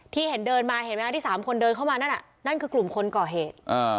ที่เห็นเดินมาเห็นไหมที่๓คนเดินเข้ามานั่นนั่นคือกลุ่มคนก่อเหตุ